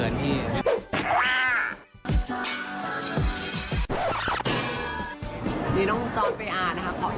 นี่ต้องจอดไปอ่านนะคะ